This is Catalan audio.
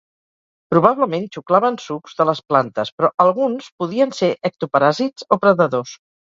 Probablement xuclaven sucs de les plantes però alguns podien ser ectoparàsits o predadors.